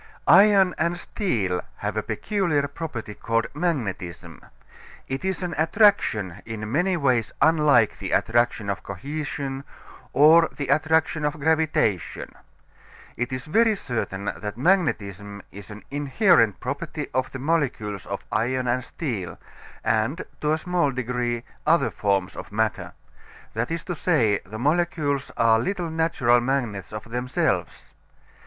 Iron and steel have a peculiar property called magnetism. It is an attraction in many ways unlike the attraction of cohesion or the attraction of gravitation. It is very certain that magnetism is an inherent property of the molecules of iron and steel, and, to a small degree, other forms of matter. That is to say, the molecules are little natural magnets of themselves.